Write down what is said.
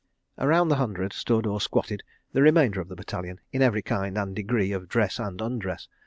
Around the Hundred stood or squatted the remainder of the battalion, in every kind and degree of dress and undress.